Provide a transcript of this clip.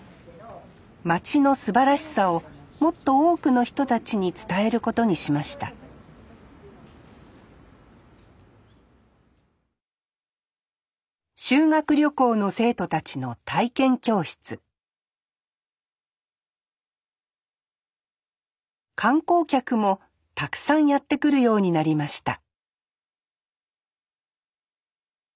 町のすばらしさをもっと多くの人たちに伝えることにしました修学旅行の生徒たちの体験教室観光客もたくさんやって来るようになりました